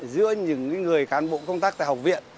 giữa những người cán bộ công tác tại học viện